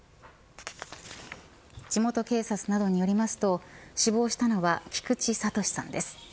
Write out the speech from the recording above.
地元警察などによりますと死亡したのは菊池敏さんです。